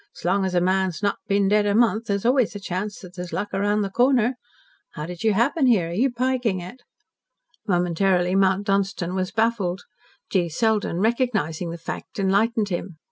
S'long as a man's not been dead a month, there's always a chance that there's luck round the corner. How did you happen here? Are you piking it?" Momentarily Mount Dunstan was baffled. G. Selden, recognising the fact, enlightened him.